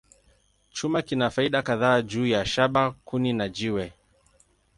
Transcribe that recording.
Chuma kina faida kadhaa juu ya shaba, kuni, na jiwe.